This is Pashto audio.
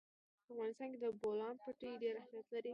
په افغانستان کې د بولان پټي ډېر اهمیت لري.